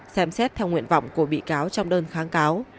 xem xét theo nguyện vọng của bị cáo trong đơn kháng cáo